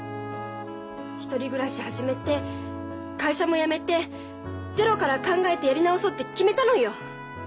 １人暮らし始めて会社も辞めてゼロから考えてやり直そうって決めたのよ。